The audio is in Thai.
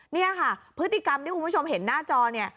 นี่ค่ะพฤติกรรมที่คุณผู้ชมเห็นหน้าจอเนี่ย